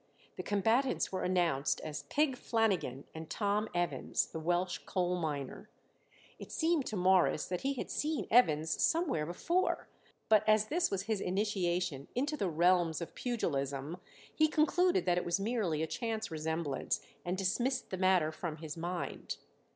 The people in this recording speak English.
The combatants were announced as Pig Flanagan and Tom Evans, the Welsh coal miner. It seemed to Morris that he had seen Evans somewhere before, but as this was his initiation into the realms of pugilism he concluded that it was merely a chance resemblance and dismissed the matter from his mind.